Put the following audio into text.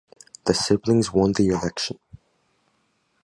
The siblings won the election.